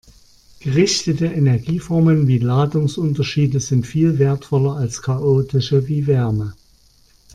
Gerichtete Energieformen wie Ladungsunterschiede sind viel wertvoller als chaotische wie Wärme.